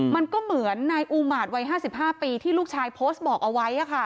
มันก็เหมือนนายอูมาตวัย๕๕ปีที่ลูกชายโพสต์บอกเอาไว้